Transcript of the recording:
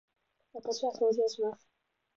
私は掃除をします。